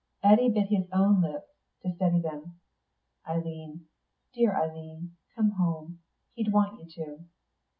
Eddy bit his own lips to steady them. "Eileen dear Eileen come home. He'd want you to."